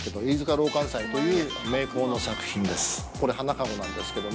琅かん斎という名工の作品です。